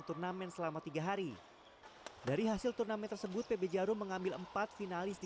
turnamen selama tiga hari dari hasil turnamen tersebut pb jarum mengambil empat finalis di